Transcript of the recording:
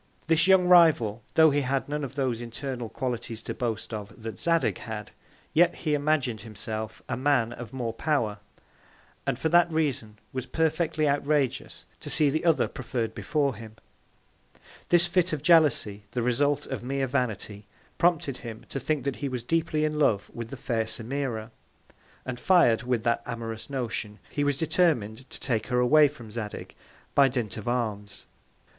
This young Rival, tho' he had none of those internal Qualities to boast of that Zadig had, yet he imagin'd himself a Man of more Power; and for that Reason, was perfectly outrageous to see the other preferr'd before him. This Fit of Jealousy, the Result of mere Vanity, prompted him to think that he was deeply in Love with the fair Semira; and fir'd with that amorous Notion, he was determin'd to take her away from Zadig, by Dint of Arms.